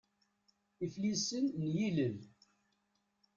Iflisen n yilel.